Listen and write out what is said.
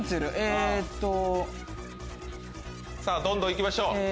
どんどん行きましょう。